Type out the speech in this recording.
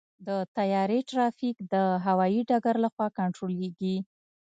د طیارې ټرافیک د هوايي ډګر لخوا کنټرولېږي.